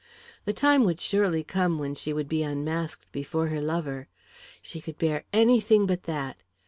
The time would surely come when she would be unmasked before her lover. She could bear anything but that.